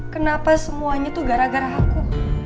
kenapa semuanya tuh gara gara aku